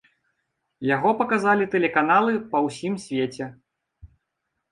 Яго паказалі тэлеканалы па ўсім свеце.